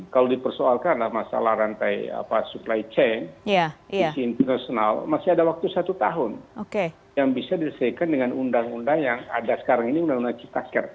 kalau dipersoalkan masalah rantai supply chain sisi internasional masih ada waktu satu tahun yang bisa disesuaikan dengan undang undang yang ada sekarang ini undang undang ciptaker